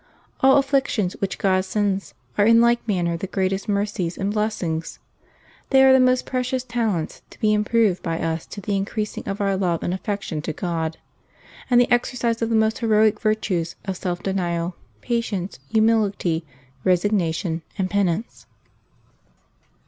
All afflictions which God sends are in like manner the greatest mercies and bless ings ; they are the most precious talents to be improved by us to the increasing of our love and affection to God, and the exercise of the most heroic virtues of self denial, pa tience, humility, resignation, and penance.